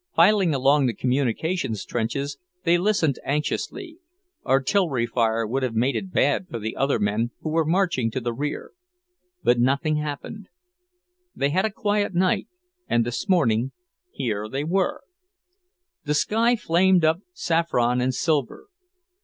Filing along the communication trenches, they listened anxiously; artillery fire would have made it bad for the other men who were marching to the rear. But nothing happened. They had a quiet night, and this morning, here they were! The sky flamed up saffron and silver.